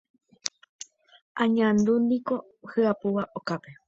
Añandúniko hyapúva okápe.